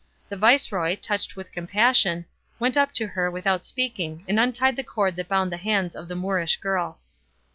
The viceroy, touched with compassion, went up to her without speaking and untied the cord that bound the hands of the Moorish girl.